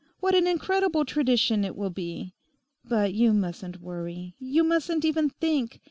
What an incredible tradition it will be! But you mustn't worry; you mustn't even think.